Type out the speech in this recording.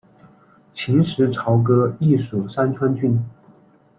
秦时朝歌邑属三川郡。